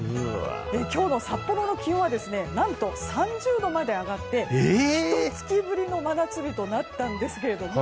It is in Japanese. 今日の札幌の気温は何と３０度まで上がってひと月ぶりの真夏日となったんですが。